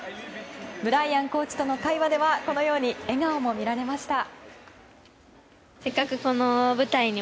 ブライアンコーチとの会話では笑顔も見られました。